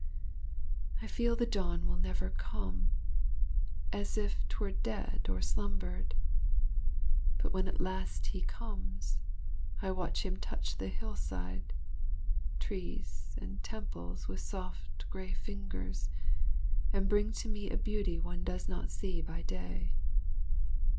I feel the dawn will never come, as if 'twere dead or slumbered; but when at last he comes, I watch him touch the hillside, trees, and temples with soft grey fingers, and bring to me a beauty one does not see by day.